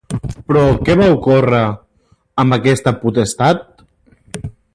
Però, què va ocórrer amb aquesta potestat?